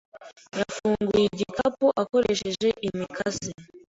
yafunguye igikapu akoresheje imikasi.